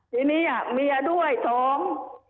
ทีนี้เมียด้วยท้อง